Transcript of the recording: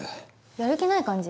やる気ない感じ？